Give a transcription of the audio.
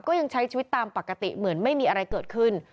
ยังใช้ชีวิตตามปกติเหมือนไม่มีอะไรเกิดขึ้น